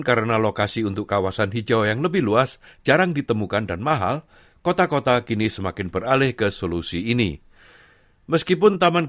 penduduk setempat tidak berpengalaman